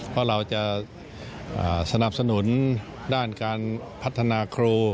เพราะเราจะสนับสนุนด้านการพัฒนาครู